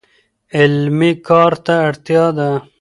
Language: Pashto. عملي کار ته اړتیا ده.